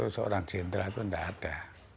seorang jenderal itu tidak ada